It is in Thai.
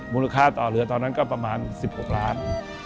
มูลค่าต่อเรือตอนนั้นก็ประมาณ๑๖ล้าน